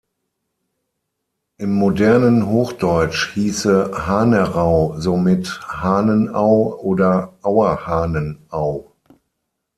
Im modernen Hochdeutsch hieße Hanerau somit „Hahnen-Au“ oder „Auerhahnen-Au“.